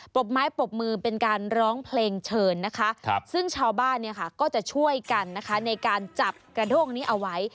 บไม้ปรบมือเป็นการร้องเพลงเชิญนะคะซึ่งชาวบ้านเนี่ยค่ะก็จะช่วยกันนะคะในการจับกระโด้งนี้เอาไว้